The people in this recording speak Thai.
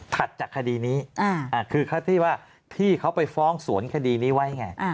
ถัดจากคดีนี้คือที่เขาไปฟ้องสวนคดีนี้ไว้ไง